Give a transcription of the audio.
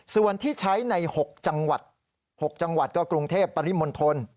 ส่วนที่ใช้ใน๖จังหวัด๖จังหวัดก็กรุงเทพปริมณฑล